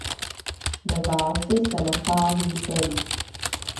Ve válci se nachází plyn.